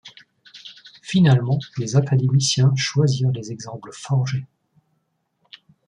Finalement, les académiciens choisirent les exemples forgés.